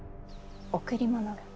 贈り物が。